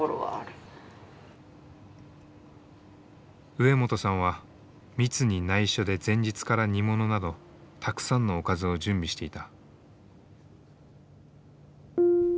植本さんはミツにないしょで前日から煮物などたくさんのおかずを準備していた。